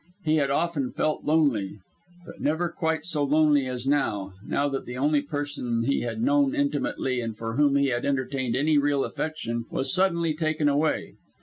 He had often felt lonely, but never quite so lonely as now now that the only person he had known intimately and for whom he had entertained any real affection, was suddenly taken away.